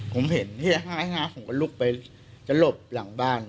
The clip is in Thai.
ผมเห็นผมก็ลุกไปจะหลบหลังบ้าน